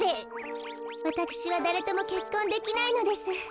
わたくしはだれともけっこんできないのです。